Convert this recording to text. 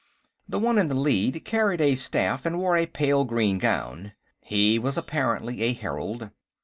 The one in the lead carried a staff and wore a pale green gown; he was apparently a herald.